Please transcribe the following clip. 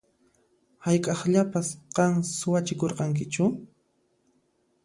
Hayk'aqllapas qan suwachikurqankichu?